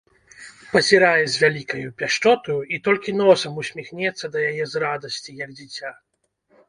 Пазірае з вялікаю пяшчотаю і толькі носам усміхнецца да яе з радасці, як дзіця.